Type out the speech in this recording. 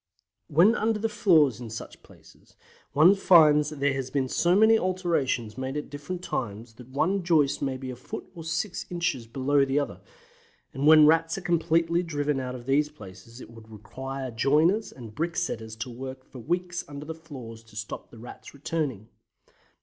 When under the floors in such places one finds there has been so many alterations made at different times that one joist may be a foot or six inches below the other, and when the Rats are completely driven out of these places it would require joiners and bricksetters to work for weeks under the floors to stop the Rats returning.